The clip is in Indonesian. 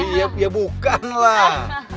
iya iya bukan lah